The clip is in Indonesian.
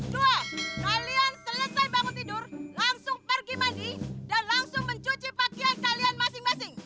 dua kalian selesai bangun tidur langsung pergi mandi dan langsung mencuci pakaian kalian masing masing